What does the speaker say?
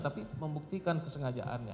tapi membuktikan kesengajaannya